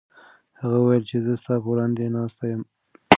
هغې وویل چې زه ستا په وړاندې ناسته یم.